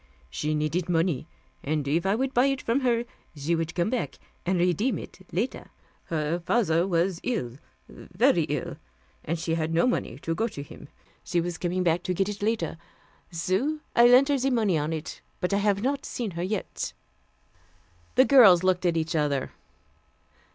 She needed money, and if I would buy it from her, she would come back and redeem it later. Her father was ill, very ill, and she had no money to go to him. She was coming back to get it later. So I lent her the money on it but I haf not seen her yet." The girls looked at each other.